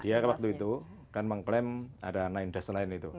dia waktu itu kan mengklaim ada sembilan desk lain itu